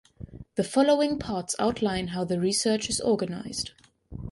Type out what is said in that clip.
The following parts outline how the research is organized.